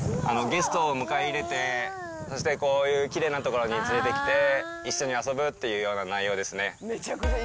ゲストを迎え入れて、そしてこういうきれいな所に連れてきて、一緒に遊ぶっていうような内容ですね。